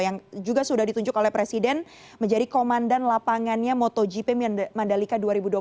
yang juga sudah ditunjuk oleh presiden menjadi komandan lapangannya motogp mandalika dua ribu dua puluh tiga